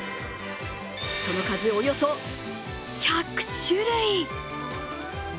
その数、およそ１００種類！